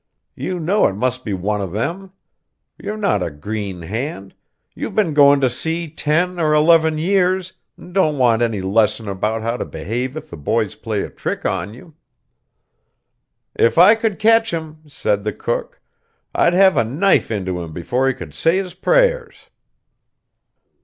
You know it must be one of them. You're not a green hand; you've been going to sea ten or eleven years, and don't want any lesson about how to behave if the boys play a trick on you." "If I could catch him," said the cook, "I'd have a knife into him before he could say his prayers."